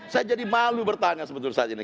saya jadi malu bertanya sebetulnya saat ini